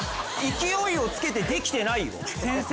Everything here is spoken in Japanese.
勢いをつけてできてないよ先生？